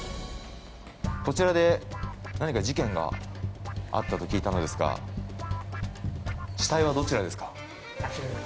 こちらで何か事件があったと聞いたのですが死体はどちらですか？